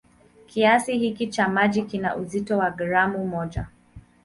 Kiasi hiki cha maji kina uzito wa gramu moja.